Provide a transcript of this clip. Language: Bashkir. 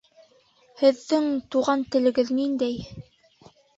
Һеҙҙең туған телегеҙ ниндәй?